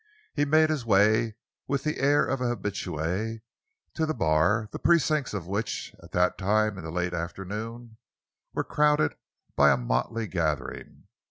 He made his way with the air of an habitué to the bar, the precincts of which, at that time in the late afternoon, were crowded by a motley gathering.